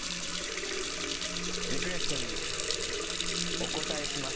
リクエストにお応えします。